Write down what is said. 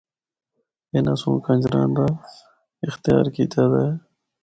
اِناں سنڑ کنجراں دا اختیار کیتا دا ہے۔